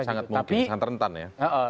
sangat mungkin sangat rentan ya